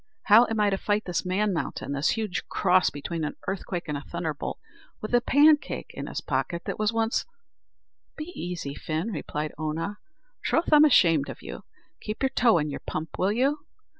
How am I to fight this man mountain this huge cross between an earthquake and a thunderbolt? with a pancake in his pocket that was once " "Be easy, Fin," replied Oonagh; "troth, I'm ashamed of you. Keep your toe in your pump, will you?